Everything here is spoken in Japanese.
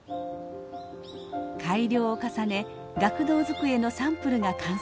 改良を重ね学童机のサンプルが完成しました。